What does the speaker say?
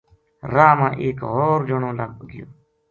راہ ما ایک ہور جنو لَبھ گیو